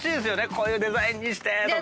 こういうデザインにしてとか。